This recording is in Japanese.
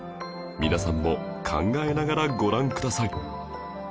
皆さんも考えながらご覧ください